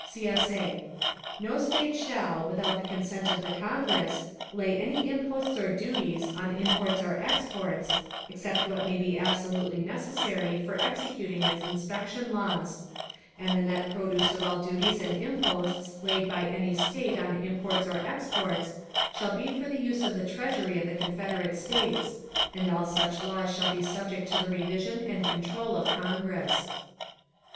[CSA] No State shall, without the consent of the Congress, lay any imposts or duties on imports or exports, except what may be absolutely necessary for executing its inspection laws; and the net produce of all duties and imposts, laid by any State on imports or exports, shall be for the use of the Treasury of the Confederate States; and all such laws shall be subject to the revision and control of Congress.